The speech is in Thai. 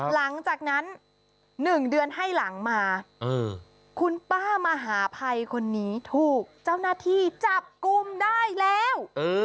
หลังจากนั้น๑เดือนให้หลังมาคุณป้ามหาภัยคนนี้ถูกเจ้าหน้าที่จับกลุ่มได้แล้ว